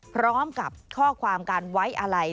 พร้อมกับข้อความการไว้อะไร